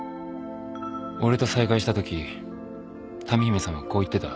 俺と再会したとき多美姫さまはこう言ってた。